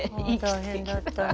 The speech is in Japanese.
大変だったね。